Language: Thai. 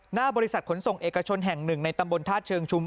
หน้าบริษัทขนส่งเอกชนแห่งหนึ่งในตำบลธาตุเชิงชุม